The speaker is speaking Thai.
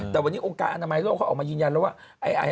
แต่วันนี้องค์การอนามัยโลกเขาออกมายืนยันแล้วว่า